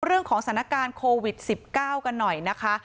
เรื่องของสถานการณ์โควิด๑๙กันหน่อยนะคะ